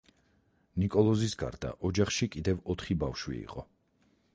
ნიკოლოზის გარდა ოჯახში კიდევ ოთხი ბავშვი იყო.